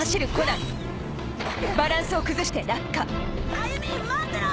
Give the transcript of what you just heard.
歩美待ってろ！